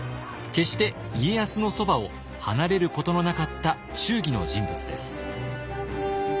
決して家康のそばを離れることのなかった忠義の人物です。